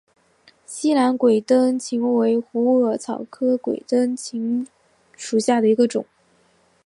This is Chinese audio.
西南鬼灯檠为虎耳草科鬼灯檠属下的一个种。